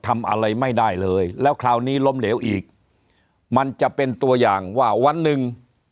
ทำอะไรไม่ได้เลยแล้วคราวนี้ล้มเหลวอีกมันจะเป็นตัวอย่างว่าวันหนึ่ง